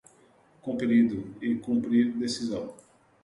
compelido a cumprir decisão